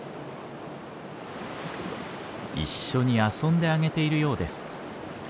一緒に遊んであげているようです。